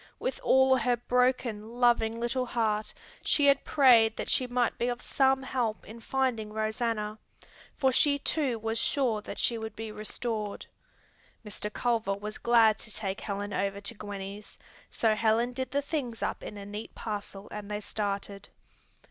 With all her broken, loving little heart she had prayed that she might be of some help in finding Rosanna, for she too was sure that she would be restored. Mr. Culver was glad to take Helen over to Gwenny's, so Helen did the things up in a neat parcel and they started.